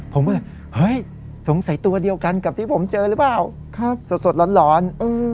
ผมก็เลยเฮ้ยสงสัยตัวเดียวกันกับที่ผมเจอหรือเปล่าสดร้อน